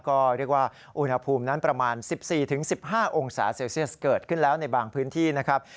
ก็เรียกว่าอุณหภูมินั้นประมาณ๑๔๑๕องศาเซลเซียสเกิดขึ้นแล้วในบางพื้นที่นะครับ